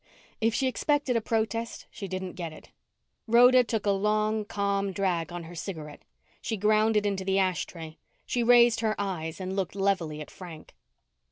If she expected a protest, she didn't get it. Rhoda took a long, calm drag on her cigarette. She ground it into the ash tray. She raised her eyes and looked levelly at Frank.